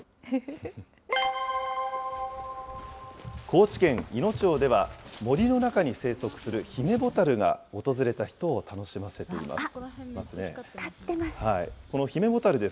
高知県いの町では、森の中に生息するヒメボタルが訪れた人を楽しませています。